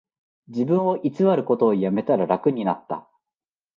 自分を偽ることをやめたら楽になった